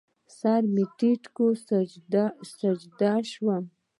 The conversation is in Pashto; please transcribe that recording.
سر مې ټیټ کړ، سجده شوم